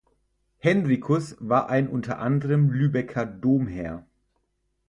Henricus war ein unter anderem Lübecker Domherr.